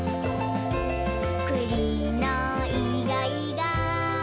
「くりのいがいが」